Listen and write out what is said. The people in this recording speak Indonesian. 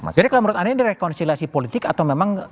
jadi kalau menurut anda ini rekonstilasi politik atau memang